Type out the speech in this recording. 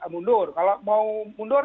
mundur kalau mau mundur